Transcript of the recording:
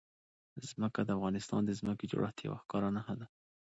ځمکه د افغانستان د ځمکې د جوړښت یوه ښکاره نښه ده.